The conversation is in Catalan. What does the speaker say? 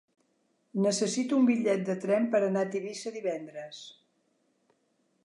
Necessito un bitllet de tren per anar a Tivissa divendres.